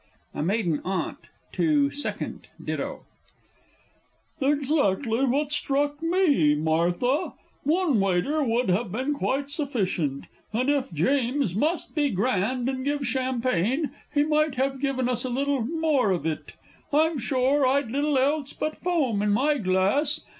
A MAIDEN AUNT (to Second Ditto). Exactly what struck me, Martha. One waiter would have been quite sufficient, and if James must be grand and give champagne, he might have given us a little more of it; I'm sure I'd little else but foam in my glass!